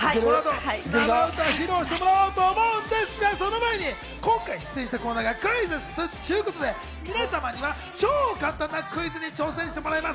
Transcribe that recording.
それではこの後、生歌披露してもらおうと思うんですが、その前に今回出演したコーナーがクイズッスってことで、皆様には超簡単なクイズに挑戦してもらいます。